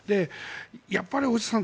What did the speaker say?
やっぱり大下さん